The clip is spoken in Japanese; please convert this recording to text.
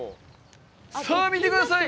さあ、見てください！